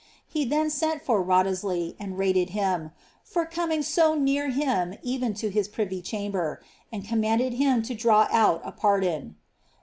He then sent for Wriothesley, and rated liim ^ for coming so near him, even to his privy chamber," and commanded him to draw out a pardon.